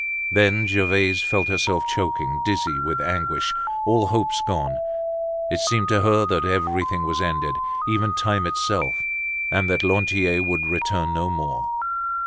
Then Gervaise felt herself choking, dizzy with anguish, all hopes gone; it seemed to her that everything was ended, even time itself, and that Lantier would return no more.